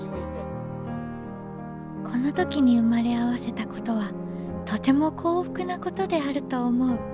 「この時に生まれ合わせたことはとても幸福なことであると思う。